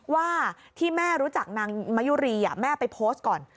ว่าที่แม่รู้จักนางมะยุรีแม่ไปโพสต์ก่อน